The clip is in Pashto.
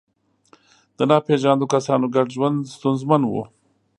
د ناپېژاندو کسانو ګډ ژوند ستونزمن و.